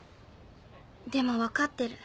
でも分かってる。